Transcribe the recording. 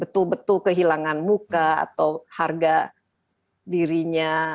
betul betul kehilangan muka atau harga dirinya